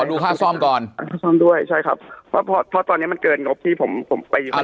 ดูค่าซ่อมก่อนด้วยใช่ครับเพราะตอนนี้มันเกินงบที่ผมไป